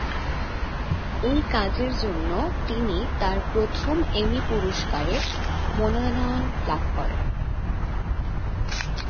এই কাজের জন্য তিনি তার প্রথম এমি পুরস্কারের মনোনয়ন লাভ করেন।